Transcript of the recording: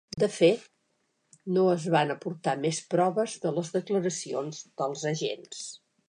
De fet, no es van aportar més proves que les declaracions dels agents.